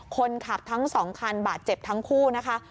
คนขับทั้งสองคันบาดเจ็บทั้งคู่นะคะ